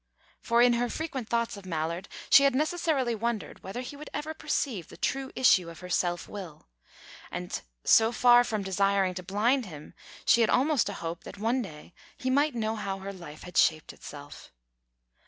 For, in her frequent thoughts of Mallard, she had necessarily wondered whether he would ever perceive the true issue of her self will; and, so far from desiring to blind him, she had almost a hope that one day he might know how her life had shaped itself.